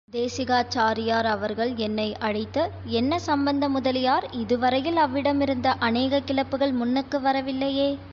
தேசிகாச்சாரியார் அவர்கள் என்னை அழைத்து, என்ன சம்பந்த முதலியார், இது வரையில் அவ்விடமிருந்த அநேக கிளப்புகள் முன்னுக்கு வரவில்லையே!